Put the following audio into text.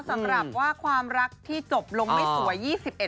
สำหรับว่าความรักที่จบลงไม่สวย๒๑